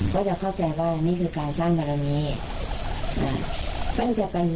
ก็จะเข้าใจว่านี่คือการสร้างบารมี